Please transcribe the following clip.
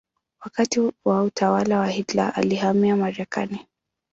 Wakati wa utawala wa Hitler alihamia Marekani.